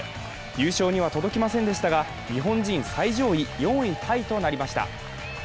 優勝には届きませんでしたが、日本人最上位４位タイとなりました。